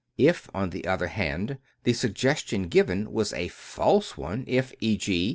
If, on the other hand, the sugges tion given was a false one, if, e. g.